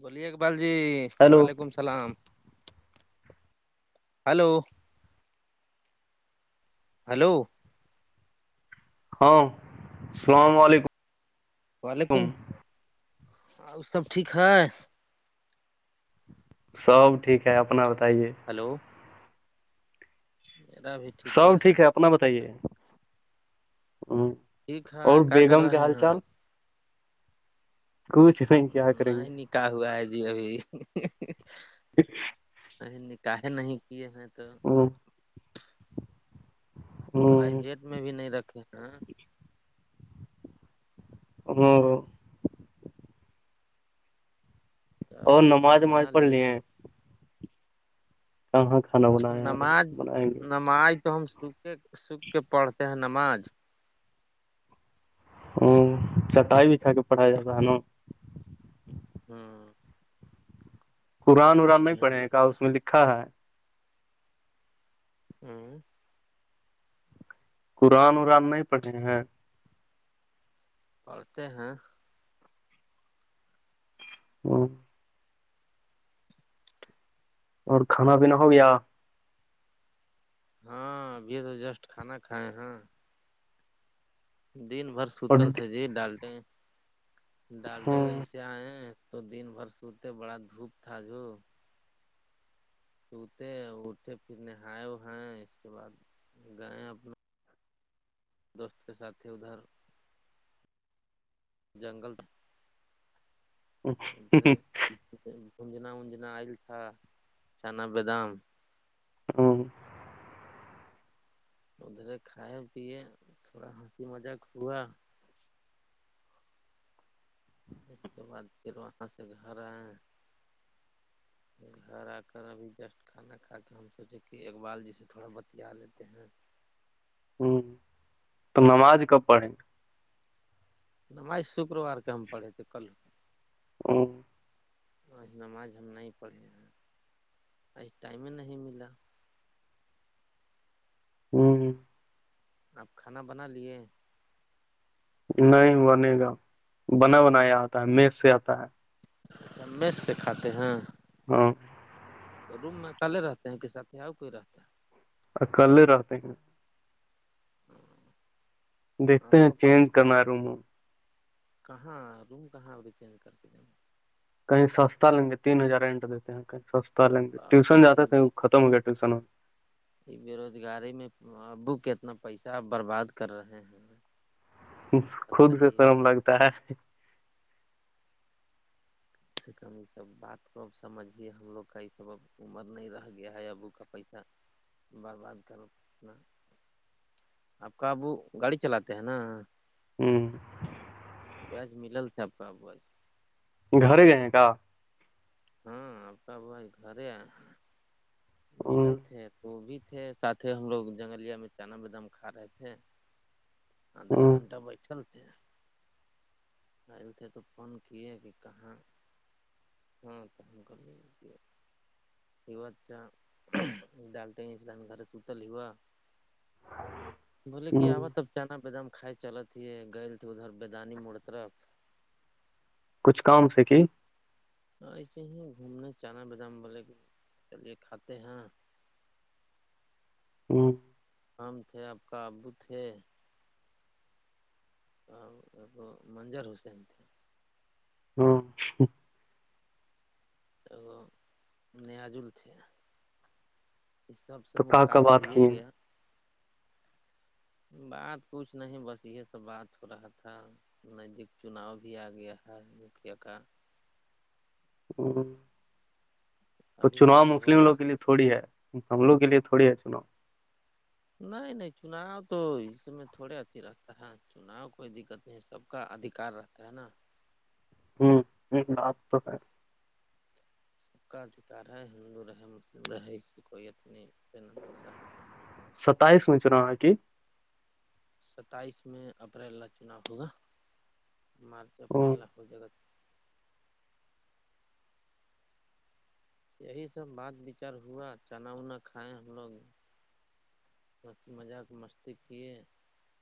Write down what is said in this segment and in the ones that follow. بولیے اقبال جی ہیلو وعلیکم سلام ہلو ہلو ہاں السلام علیکم وعلیکم آ سب ٹھیک ہے سب ٹھیک ہے اپنا بتائیے ہلو اٹا بھی سب ٹھیک ہے اپنا بتائیے ہ ٹھیک ہے اور کر بیگم کیا رہے حال چال ہیں کوچھیں کیا کریں گے کا ہوا ہے جی ابھی ٹھ ا نکحیں نہیں کیے ہیں تو ہاں ہ پرائیویٹ میں بھی نہیں رکھے ہیں ہاں تب اور نماز کھانا وماز بنا پڑھ لی لیے ہیں کہاں کھا نماز نماز تو ہم سکھے سکھ کے پڑھتے ہیں نماز ا چٹائی بھا کے پڑھا جاتا ہے نا ہاں قرآن بہت اران نہیں بھیڑ پڑھے کا لگتا اس میں لکھا ہے ہوں قرآن اران نہیں پڑھے ہیں پڑھتے ہیں ہوں اور کھانا پیینا ہو گیا ہاں ابھی تو جسٹ کھانا کھائے ہیں دن بھر سوتل اور تھ جی ڈالٹیں ہ ڈالٹے کہیں ہ سے آئے تو دن بھر سوتے بڑا دھوپ تھا جو سوتے اٹھے پھر نہائے اائے اس کے بعد گئے اپنے دوست کے ساتھ تھے ادھر جنگل ادھرے گونجنا ونجنا آئل تھا چنا بادام ہاں ادھرے کھائے پیے تھوڑا ہنسی مذاق ہوا اس کے بعد پھر وہاں سے گھر آئے گھر آ کر ابھی جسٹ کھانا کھا کے ہم سوچے کہ اقبال جیس تھوڑا بتیا لیتے ہیں ہوں تو نماز کب پڑھیں گا نمائش شکروار کے ہم پڑھے تھے کل ہوں آج نماز ہم نہیں پڑھے ہیں ای ٹائم نہیں ملا ہوں آپ کھانا بنا لیے نہیں بنے گا بنا بنا یہ آتا ہے میز سے آتا ہے میز سے کھاتے ہیں ہاں تو روم میں کلے رہتے ہیں کہ سات ہی آؤ کوئی رہتا ہے ا کلے رہتے ہیں ہے دیکھتے آپ ہیں پاپا چینج کرنا روم کہاں روم کہاں اھی چینج کر کے دیں گے کہیں سستا لیں گے تین ہزار رینٹ دیتے ہیں کہیں سستا لیں گے ٹیوشن باپ رے جاتے تھے وہ ختم ہو گیا ٹیوشن بےروزگاری میں ابو کتنا پیسہ برباد کر رہے ہیں خود سے بتائیے شرم لگتا ہے سے کم سب بات کو اب سمجھیے ہم لوگ کا سب اب عمر نہیں رہ گیا ہے ابو کا پیسہ برباد کر اپنا آپ کا ابو گاڑی چلاتے ہیں نا ہ بج ملل تھا آپپ گھر گئے ہیں کا ہاں آپ کا بس گھر ہ ملل تھ وہ بھی تھے ساتھ ہی ہم لوگ جنگلیہ میں چنا بدام کھا رہے تھے آدھا ایک ہ گنٹہ بیٹھل آل تھے تو فون کیے کہ کہاں ہاں تو ہم کا نہیں ہیوا اچھا ڈالتے ہیں اسل گھر سوتل ہیوا [inaudible] بولے کہ ہ آبا تب چنا بیدام کھائے چل تے گئے تھی ادھر بیدانی مڑ طرف کچھ کام سے کہ ہاں ایسے ہی گھومنے چانا بادام بے کے چلیے کھاتے ہیں ہوں کام تھے آپ کا ابو تھے اور ا منظر حسین تھے ہاں تو وہ نیاجل تھے اس سب سے تو کہ کا ملاقات بات ہوے کیے گیا بات کچھ نہیں بس یہ سب بات ہو رہا تھا ندیک چناؤ بھی آ گیا ہے مکھیا کا ہ تو اگلا چناؤ وورس مسلم ہوگا لوگ کے لیے تھوڑی ہے ہم لوگ کے لیے تھوڑی ہے چناؤ نہیں نہیں چناؤ تو اس میں تھوڑے اچھی لگتا ہے چناؤ کوئی دقت نہیں ہے سب کا ادھار رہتا ہے نا ہوں ہ آپ تو ہے سب کا ادھیکار ہے ہندو رہے مسلم رہے اس سے کوئی اتنی پن د نہ رہتا ہے ستائیس میں چلو آ کی ستائیس میں اپریل ل چناؤ ہوگا مارچ اپریل ہوں ل ہو جائے گا یہی سب بات وچار ہوا چنا ونا کھائیں ہم لوگ ب کی مذاق مستی کیے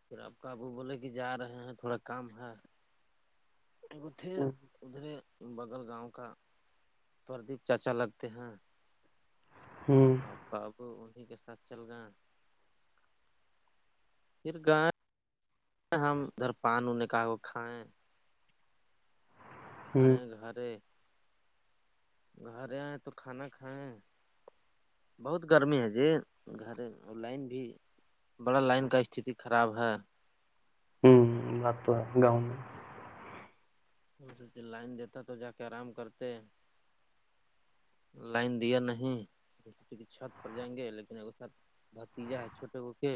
پھر آپ کابو بولے کہ جا رہے ہیں تھوڑا کام ہے ایکتھر ہوں ادھرے بغل گاؤں کا پردیپ چاچا لگتے ہیں ہوں بابو انہیں کے ساتھ چل گان پھر گائےیں ہم ادھر پان ونے کہا کھائیں ہوں آئ گھر گھر آئیں تو کھانا کھائیں بہت گرمی ہے جی گھر اور لائن بھی بڑا لائن کا استھتی خراب ہے ہوں بات تو ہے گاؤں میں ان سےھر لائن دیتا تو جا کے آرام کرتے لائن دیا نہیں کی چھت پر جائیں گے لیکن ا س بھتیجا ہے چھوٹے کو کے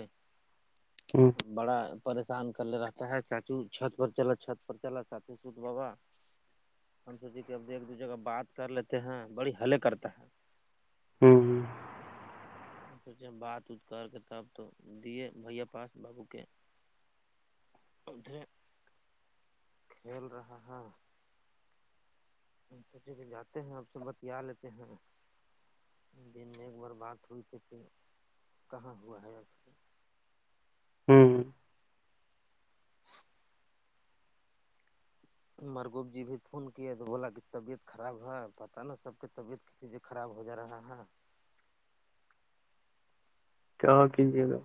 ہوں بڑا پریشان کر لے رہتا ہے چاچو چھت پر چلا چھت پر چلا چاچو سوت بابا ہم سوچے کہ اب ایک دو جے کا بات کر لیتے ہیں بڑی ہلے کرتا ہے ہوں سوچے بات ات کر کے تب تو دیے بھیا پاس بابو کے پدھے کھیل رہا ہے ہم سوچے کہ جاتے ہیں اب سے بتیا لیتے ہیں دن میں ایک بار بات ہوئی کہ پھر کہاں ہوا ہے اب ہوں ہوں مرگوب جی بھی فون کیے تو بولا کہ طبیعت خراب ہے پتہ نا سب کی طبیعت چیز خراب ہو جا رہا ہے کیا کی جے گا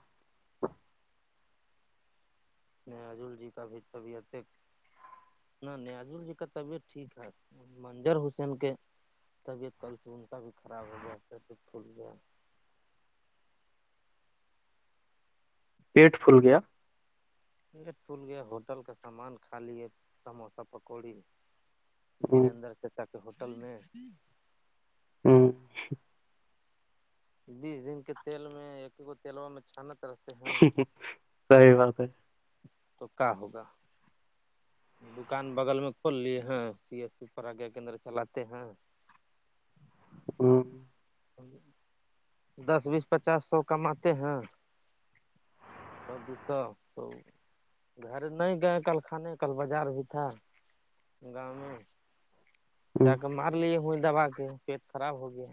اس نے عجول جی کا بھی طبیعت ایک نہ نیازل جی کا طبیعت ٹھیک ہے منجر حسین کے طبیعت کل سے ان کا بھی خراب ہو گیا ہے تبیب ھٹ گیا پیٹ پھل گیا یہ ٹھول گیا ہوٹل کا سامان کالی ہے سموسہ پکوڑی ہوں وریدر چچا کے ہوٹل میں ہوں بیس دن کے تیل میں ایک کو تیلوا میں چھانت رہتے ہیں صی باتات ہے تو کیا ہوگا [inaudible] دکان بغل میں کھول لی ہیں سی ایس پی پر آگا کیندر چلاتے ہیں [inaudible] [inaudible] ہوں [inaudible] ہی [inaudible] دس بیس پچاس سو کماتے ہیں دوسا تو [inaudible] گھر نہیں گئے کل کھانے کل بازار بھی تھا گاؤں میں جا ہوں کے مار لیے ہو دوبا کے پٹ خراب ہو گیا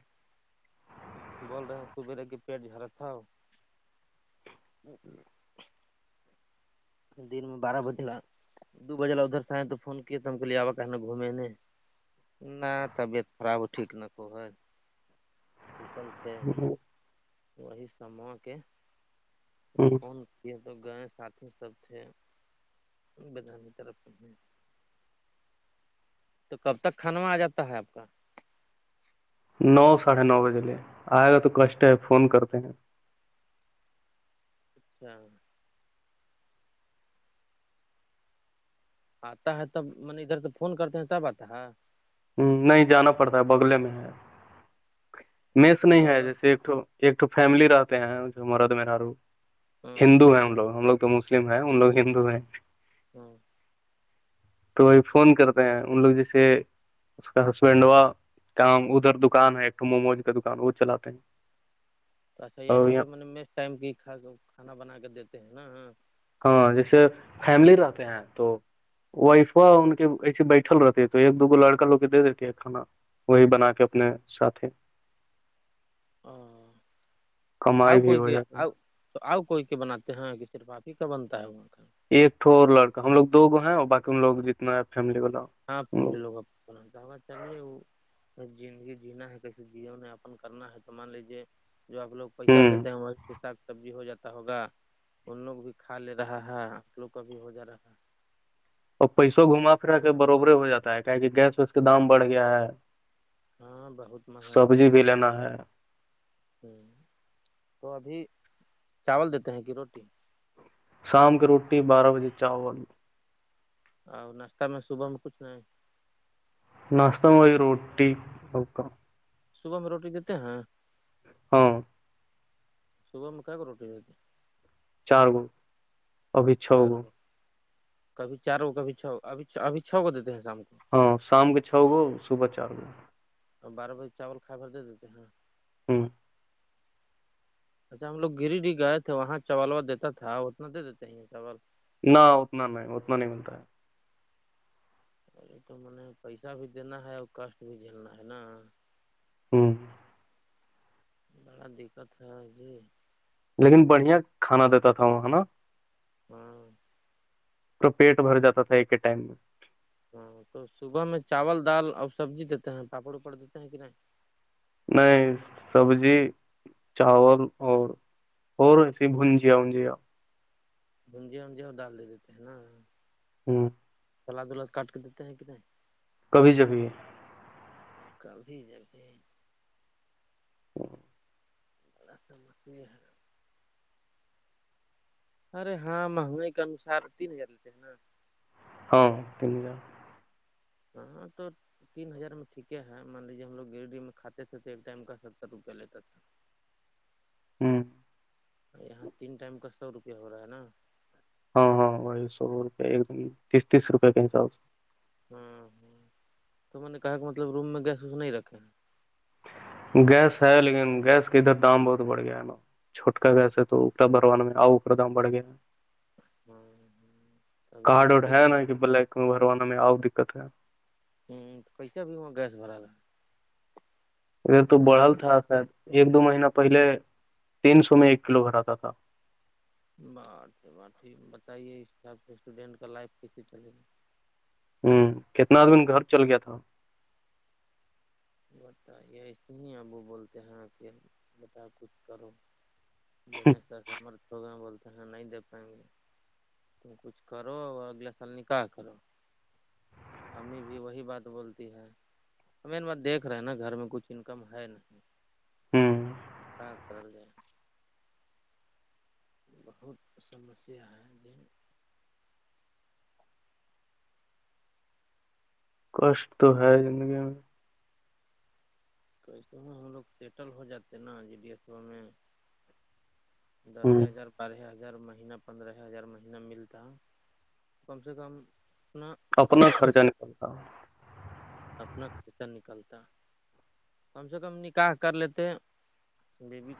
بول رہے ہیں صبیرے کہ پیٹ جھرا تھا ہو دن میں بارہ بجلا دو بجے ل ادھر سے آئے تو فون کیا ت ہم کہے آا کہنے گھومے نے [inaudible] نہ طبیعت خراب ٹھ ن کو ہے ٹٹل [inaudible] سے ہوں وہی سوں کے [inaudible] ہوں [inaudible] کون تو گ ساتھی سب تھ [inaudible] بیدان طرف تو کب تک [inaudible] کھانوا آ جاتا ہے آپ کا [inaudible] نو ساڑھے نو بجے لے آئے گا تو کشٹ ہے فون کرتے ہیں اچھا [inaudible] آتا ہے تب م ادھر تو فون کرتے ہیں تب آتا ہے ہ نہیں جانا پڑتا ہے بگلے میں ہے میس اچھا نہیں ہے بگا جیسے ایکٹ ایکٹ فیملی رہتے ہیں مرد مارو ہاں ہندو ہیں ہم لوگ ہم لوگ تو مسلم مسلم ہے ان لوگ ہندو ہیں [inaudible] ہوں تو وہی فون کرتے ہیں ان لوگ جیسے اس کا ہسبینڈ ہوا کام ادھر دکان ہے ایکٹ موموز کا دکان وہ چلاتے ہیں تو اچھا اور یہیں یہ پہ م مس ٹائم کی کھانا بنا کے دیتے ہیں نا ہاں جیسے فیملی رہتے ہیں تو وائفا ان کے ایسے بیٹھل رہتے ہے تو ایک دوگو لڑکا لوگ کے دے دیتے ہے کانا وہی بنا کے اپنے ساتھی ہ آ کمائی بھی کوئی ہو کہ جاتی ہے آ [inaudible] تو آؤ کوئی کے بناتے ہیں چرپاپی کا بنتا ہے وہاں کا [inaudible] ایک تو اور لڑکا ہم لگ دو گو ہیں اور باقی ان لوگ جتنا ہے فیملی والا [inaudible] ہاں فملی لوگوں ہوگا چلیے وہ [inaudible] ک زندگی جینا ہے کسی جیو نے اپن کرنا ہے تو مان لیجے جو آپ لوگ ہ پیسہ دیتے ہیں وہاں پ سااک سبزی ہو جاتا ہوگا ان لوگ بھی کھا لے رہا ہے آ لوگ کا بھی ہو جا رہا ہے اور پیسوں ابھی گھما پھرا کے بربرے ہو جاتا ہے کیا کہ گیس ویس کے دام بڑھ گیا ہے ہاں بہت مہنگائی بڑھی ہے نا ہے ہوں تو ابھی چاول دیتے ہیں کہ روٹی شام کی روٹی بارہ بجے چاہ اور ناشتہ میں صبح میں کچھ نہیں ہے ناشتہ میںئی روٹی سک صبح میں روٹی دیتے ہیں ہاں صبح میں کیا کر روٹی دیتی چار گو ابھی چھ ہیں چار گو کبھی چار کبھی چھ ابھی ابھی چھ کو دیتے ہیں شام کو ہاں شام کے چھ گو صبح چار گو اور بارہ بجے چاول کھائے دے دیتے ہیںاں ہوں [inaudible] اچھا ہم لوگ گری ڈ گئے تھے وہاں چاولوا دیتا تھا اتنا دے دیتے ہیں یہ چاول نہ اتنا نہیں اتنا نہیں ملتا ہے ارے تو م نے پیسہ بھی دینا ہے اور کشٹ بھی جھیلنا ہے نا ہوں بڑا دقت تھا جی لیکن بڑھیا کھانا دیتا تھا وہ ہے نا ہاں پیٹ بھر جاتا تھا ایک ایک ٹائم میں ہاں تو صبح میں چاول دال اور سبزی دیتے ہیں پاپڑ اپڑ دیتے ہیں کہ نہیں نہیں سبزی چاول اور اور ایے بنجیا وجیا گونجے وجے وہ ڈال دے دیتے ہیں نا ہوں سلاد ولاد کاٹ کے دیتے ہیں ک نہیں کبھی کبھی ہے کھی جببھی اورسا مچلی ہے ارے ہاں مہنگائی کے انوسار تین ہزار لیتے ہیں نا ہاں تین جار نہاں تور تین ہزار میں ٹھیک ہے مان لیجیے ہم لوگ گریڈی میں کھاتے تھے تو ایک ٹائم کا ستر روپیہ لیتے تھ [unintelligible] ہوں یہاں تین ٹائم کا سو روپیہ ہو رہا ہے نا ہاں ہاں وہی سو روپ ایک دم تیس تیس روپے کا حساب سے ہاں ہوں تو میں نے کہا کہ مطلب روم میں گیس وس نہیں رکھے ہیں گیس ہے لیکن گیس کے ادھر دام بہت بڑھ گیا ہے نا چھوٹکا گیسے تو اپا بروانا میں آؤ اا دام بڑھ گیا ہے ہاں ہ ابھی کیسے کے جی ہو بھروانا میں آؤ دقت ہے ہوں تو کییسے بھی وہاں گیس بھرا رہا ا تو کھلا بڑھل میں تھا شاید ایک دو مہین پہلے تین سو میں ایک کلو بھراتا تھا بات بات بتائیے اس حساب سے اسٹوڈینٹ کا لائف کیسسی چلے گی ہوں کتنا آدمیین گھر چل گیا تھا بتے اس ہی ابو بولتے ہیں کہ بتا کچھ کرو دنیش سر سمرتھ ہوگ میں بولتے کہاں نہیں دے پائیں گے تم کچھ کرو اور اگلے سال نکاح کرو امی بھی وہی بات بولتی ہے ہمیں دیکھ رہے نا گھر میں کچھ انکم ہے نہیں ہوں کرل جائے بہت سمسیا ہے جن کشٹ تو ہے زندگی میں کیسے میں ہم لوگ سیٹل ہو جاتے ہیں نا جی ڈی ایسو میں دس ہ ہزار بارہ ہزار مہینہ پندرہ ہزار مہینہ ملتا کم سے کم اپنا اپنا خرچہ نکالتا ہ اپنا خطہ نکالتا کم سے کم نکاح کر لیتے ہیں بیبی